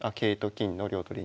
金の両取り。